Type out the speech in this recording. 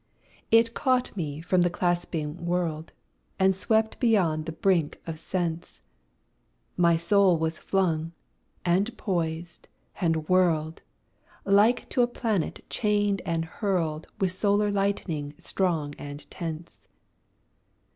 It caught me from the clasping world, And swept beyond the brink of Sense, My soul was flung, and poised, and whirled, Like to a planet chained and hurled With solar lightning strong and tense.